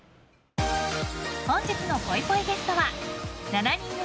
本日のぽいぽいゲストは７人組